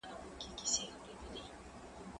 زه سندري نه اورم؟